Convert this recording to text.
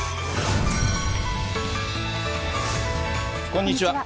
こんにちは。